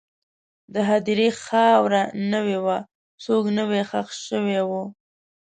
د هدیرې خاوره نوې وه، څوک نوی ښخ شوي وو.